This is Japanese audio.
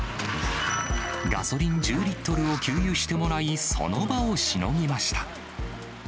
ガソリン１０リットルを給油してもらい、その場をしのぎました。